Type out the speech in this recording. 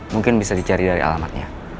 mungkin bisa dicari dari alamatnya